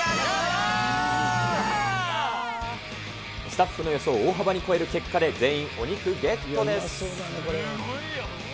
スタッフの予想を大幅に超える結果で全員お肉ゲットです。